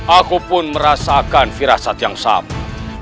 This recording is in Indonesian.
aku pun merasakan firasat yang sama